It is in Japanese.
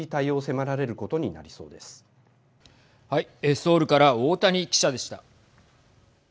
ソウルから大谷記者でした。